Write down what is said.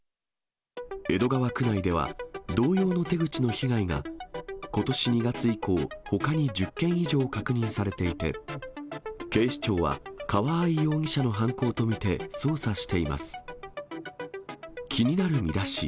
江戸川区内では、同様の手口の被害が、ことし２月以降、ほかに１０件以上確認されていて、警視庁は、川合容疑者の犯行と見て、捜査しています。